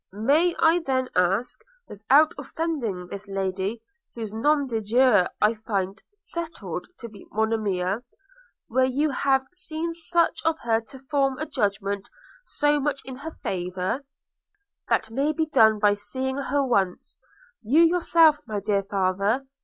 'May I then ask, without offending this lady, whose nom de guerre is I find settled to be Monimia – where you have seen enough of her to form a judgment so much in her favour?' 'That may be done by seeing her once. You yourself, my dear father!'